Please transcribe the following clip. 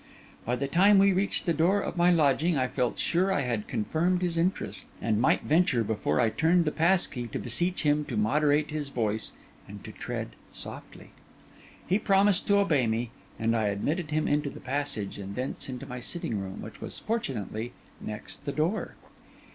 By the time we reached the door of my lodging, I felt sure I had confirmed his interest, and might venture, before I turned the pass key, to beseech him to moderate his voice and to tread softly. He promised to obey me: and I admitted him into the passage and thence into my sitting room, which was fortunately next the door.